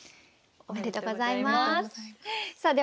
おめでとうございます。